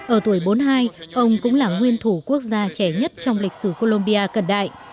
ở tuổi bốn mươi hai ông cũng là nguyên thủ quốc gia trẻ nhất trong lịch sử colombia cận đại